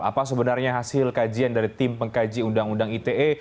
apa sebenarnya hasil kajian dari tim pengkaji undang undang ite